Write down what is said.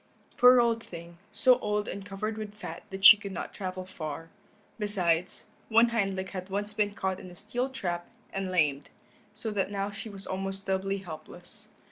Poor old thing, so old and covered with fat that she could not travel far; besides, one hind leg had once been caught in a steel trap and lamed, so that now she was almost doubly helpless.